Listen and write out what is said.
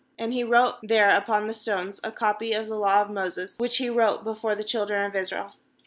32And he wrote there upon the stones a copy of the law of Moses, which he wrote before the children of Israel.